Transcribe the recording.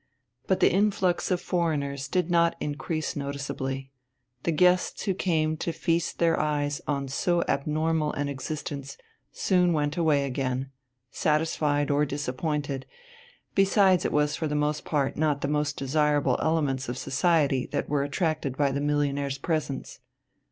But the influx of foreigners did not increase noticeably; the guests who came to feast their eyes on so abnormal an existence soon went away again, satisfied or disappointed, besides it was for the most part not the most desirable elements of society that were attracted by the millionaire's presence.